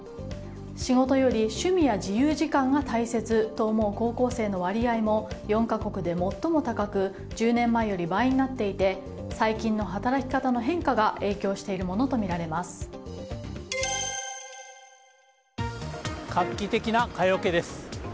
仕事より趣味や自由時間が大切と思う高校生の割合も４か国で最も高く１０年前より倍になっていて最近の働き方の変化が画期的な蚊よけです。